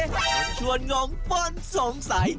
กับชวนงองปั้นสงสัย